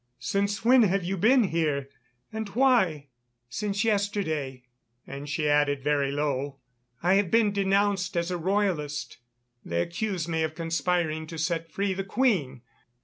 Since when have you been here, and why?" "Since yesterday," and she added very low: "I have been denounced as a Royalist. They accuse me of conspiring to set free the Queen.